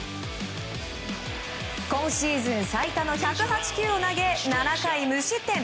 今シーズン最多の１０８球を投げ７回無失点。